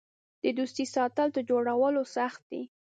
د دوستۍ ساتل تر جوړولو سخت دي.